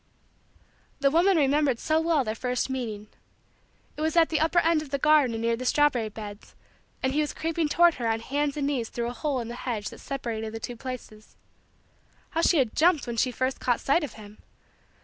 The woman remembered so well their first meeting. It was at the upper end of the garden near the strawberry beds and he was creeping toward her on hands and knees through a hole in the hedge that separated the two places. How she had jumped when she first caught sight of him!